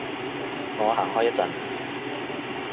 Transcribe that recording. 我行開一陣